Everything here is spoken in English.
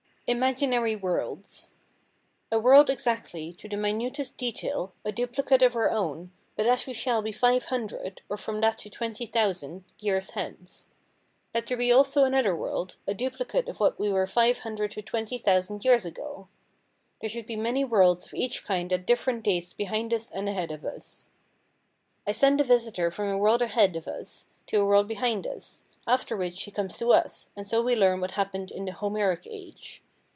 Imaginary Worlds A world exactly, to the minutest detail, a duplicate of our own, but as we shall be five hundred, or from that to twenty thousand, years hence. Let there be also another world, a duplicate of what we were five hundred to twenty thousand years ago. There should be many worlds of each kind at different dates behind us and ahead of us. I send a visitor from a world ahead of us to a world behind us, after which he comes to us, and so we learn what happened in the Homeric age.